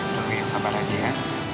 udah gue yang sabar aja ya